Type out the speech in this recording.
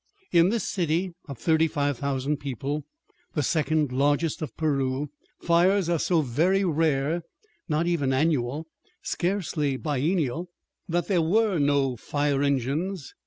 In this city of 35,000 people, the second largest of Peru, fires are so very rare, not even annual, scarcely biennial, that there were no fire engines.